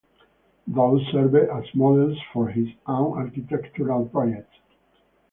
Those served as models for his own architectural projects.